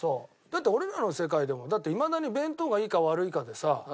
だって俺らの世界でもいまだに弁当がいいか悪いかでさ